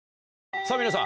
さぁ皆さん